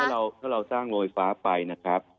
เพราะว่าถ้าเราสร้างโรงไฟฟ้าไปนะครับ